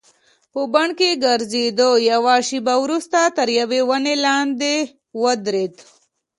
په بڼ کې ګرځېدو، یوه شیبه وروسته تر یوې ونې لاندې ودریدو.